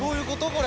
これ。